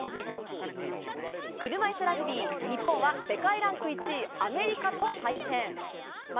車いすラグビー、日本は世界ランク１位、アメリカと対戦。